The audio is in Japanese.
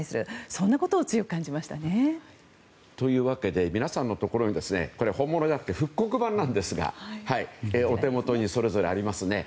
そんなことを強く感じましたね。というわけで皆さんのところに本物じゃなくて復刻版なんですがお手元に、それぞれありますね。